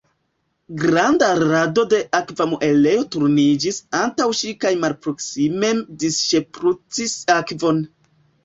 Granda rado de akva muelejo turniĝis antaŭ ŝi kaj malproksimen disŝprucis akvon.